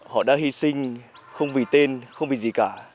họ đã hy sinh không vì tên không vì gì cả